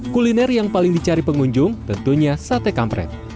kuliner yang paling dicari pengunjung tentunya sate kampret